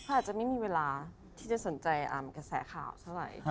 อาจจะไม่มีเวลาที่จะสนใจกระแสข่าวเท่าไหร่